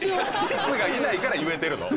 ティスがいないから言えてるの。